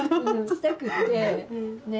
したくって。ね。